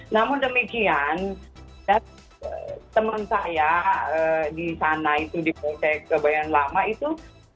namun demikian teman saya di sana itu di polsek kebayang lama itu